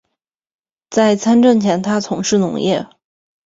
在参政之前他从事农业。